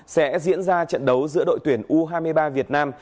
sẽ diễn ra trận đấu giữa đội tuyển u hai mươi ba việt nam